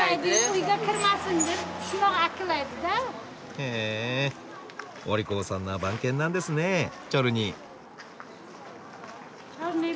へえお利口さんな番犬なんですねチョルニー。